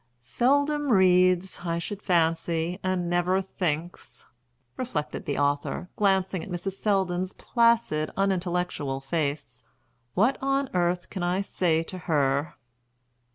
"Seldom reads, I should fancy, and never thinks!" reflected the author, glancing at Mrs. Selldon's placid unintellectual face. "What on earth can I say to her?"